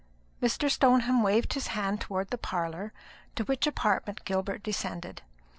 Mr. Stoneham waved his hand towards the parlour, to which apartment Gilbert descended.